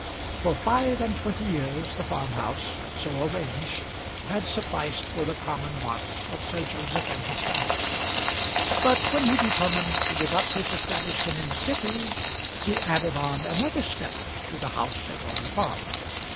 For five and twenty years the farm house, so arranged, had sufficed for the common wants of Sir Joseph and his family; but when he determined to give up his establishment in the City, he added on another step to the house at Orley Farm.